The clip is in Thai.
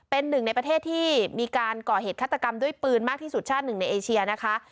เป็นหนึ่งในประเทศที่มีการก่อเหตุฆาตกรรมด้วยปืนมากที่สุดชาติหนึ่งในเอเชียนะคะ